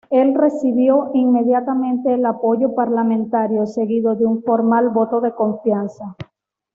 Él recibió inmediatamente el apoyo parlamentario seguido de un formal voto de confianza.